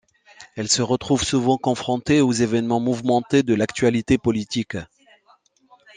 Elle se retrouve souvent confrontée aux événements mouvementés de l'actualité politique.